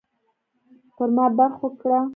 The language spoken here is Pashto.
پر ما برغ وکړه.